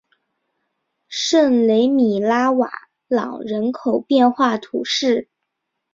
圣雷米拉瓦朗人口变化图示